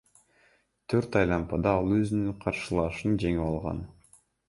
Төрт айлампада ал өзүнүн каршылашын жеңип алган.